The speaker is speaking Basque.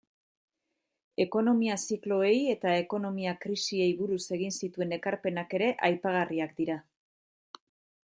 Ekonomia-zikloei eta ekonomia-krisiei buruz egin zituen ekarpenak ere aipagarriak dira.